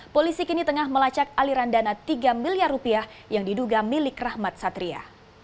polisi kini tengah melacak aliran dana tiga miliar rupiah yang diduga milik rahmat satria